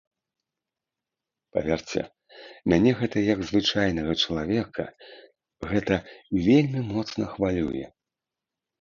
Паверце, мяне гэта як звычайнага чалавека гэта вельмі моцна хвалюе.